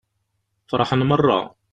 Feṛḥen meṛṛa.